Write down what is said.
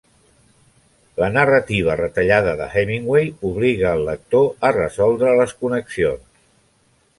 La narrativa retallada de Hemingway obliga el lector a resoldre les connexions.